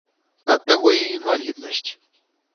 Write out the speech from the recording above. Ад таго й інваліднасць.